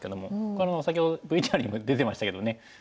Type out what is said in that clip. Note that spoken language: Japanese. これ先ほどＶＴＲにも出てましたけどね